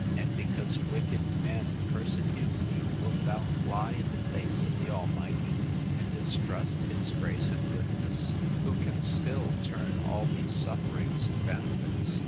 And, because wicked men persecute thee, wilt thou fly in the face of the Almighty, and distrust his grace and goodness, who can still turn all these sufferings to benefits?